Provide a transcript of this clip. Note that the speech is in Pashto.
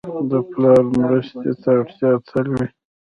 د پلار مرستې ته اړتیا تل وي.